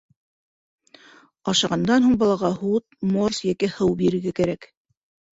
Ашағандан һуң балаға һут, морс йәки һыу бирергә кәрәк.